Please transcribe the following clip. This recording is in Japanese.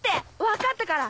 分かったから！